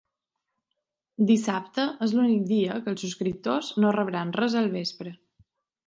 Dissabte és l’únic dia que els subscriptors no rebran res al vespre.